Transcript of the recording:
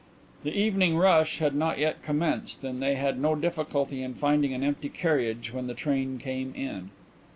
The "evening rush" had not yet commenced and they had no difficulty in finding an empty carriage when the train came in.